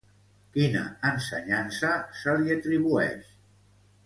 Quina ensenyança se li atribueix?